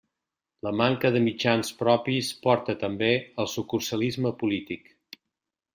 La manca de mitjans propis porta, també, al sucursalisme polític.